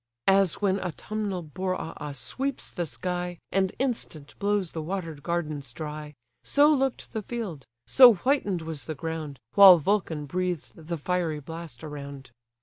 As when autumnal Boreas sweeps the sky, And instant blows the water'd gardens dry: So look'd the field, so whiten'd was the ground, While Vulcan breathed the fiery blast around.